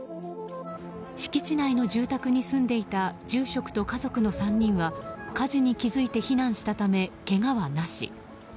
敷地内の住宅に住んでいた住職と家族の３人は火事に気付いて避難したためけがはなし。